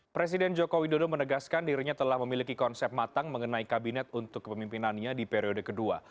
presiden joko widodo menegaskan dirinya telah memiliki konsep matang mengenai kabinet untuk kepemimpinannya di periode kedua